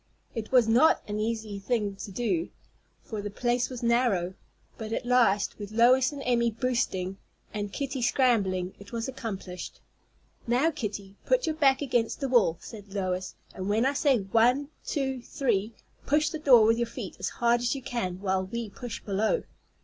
It was not an easy thing to do, for the place was narrow; but at last, with Lois and Emmy "boosting," and Kitty scrambling, it was accomplished. "Now, Kitty, put your back against the wall," said Lois, "and when I say 'One, two, three,' push the door with your feet as hard as you can, while we push below."